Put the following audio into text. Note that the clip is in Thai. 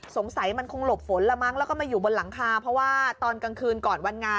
สงสัยมันคงหลบฝนละมั้งแล้วก็มาอยู่บนหลังคาเพราะว่าตอนกลางคืนก่อนวันงาน